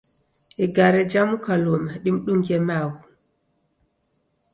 Igare jamuka luma dimdungie maghu